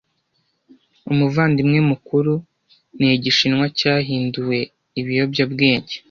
Umuvandimwe Mukuru ni igishinwa cyahinduwe ibiyobyabwenge